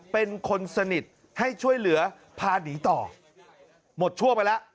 เป็นคนสนิทให้ช่วยเหลือพาหนีต่อหมดชั่วไปแล้ว